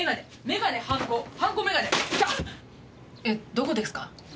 えっどこですか？